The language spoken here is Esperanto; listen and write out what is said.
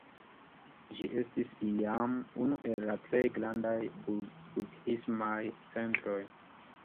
Ĝi estis iam unu el la plej grandaj budhismaj centroj.